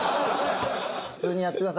普通にやってください。